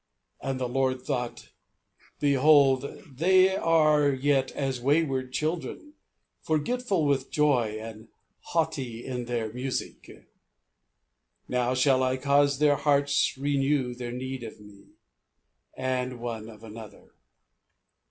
And the Lord thought, "Behold I they are yet as wayward children, Forgetful with joy, and haughty in their music I Now shall I cause that their hearts renew their need of Me, And one of another."